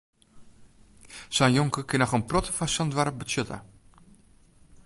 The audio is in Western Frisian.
Sa'n jonker kin noch in protte foar sa'n doarp betsjutte.